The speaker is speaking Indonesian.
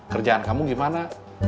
kerjaan kamu gimana